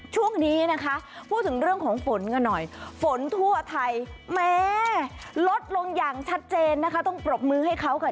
ช่วงนี้นะคะพูดถึงเรื่องของฝนกันหน่อยฝนทั่วไทยแม่ลดลงอย่างชัดเจนนะคะต้องปรบมือให้เขาค่ะ